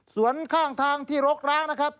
ส่วนข้างทางที่รกร้างนะครับ